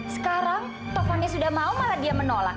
sekarang tokonya sudah mau malah dia menolak